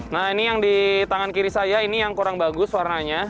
nah ini yang di tangan kiri saya ini yang kurang bagus warnanya